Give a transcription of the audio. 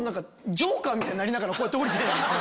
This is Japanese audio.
ジョーカーみたいになりながらこうやって降りてるんですよ。